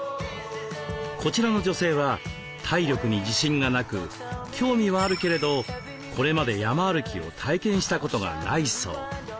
こちらの女性は体力に自信がなく興味はあるけれどこれまで山歩きを体験したことがないそう。